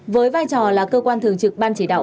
với vai trò là cơ quan thường trực ban chỉ đạo